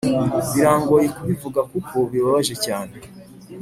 birangoye kubivuga kuko bibabaje cyane